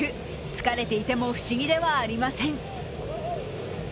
疲れていても不思議ではありません。